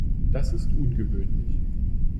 Das ist ungewöhnlich.